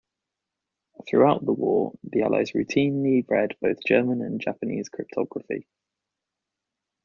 Throughout the war, the Allies routinely read both German and Japanese cryptography.